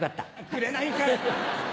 くれないんかい！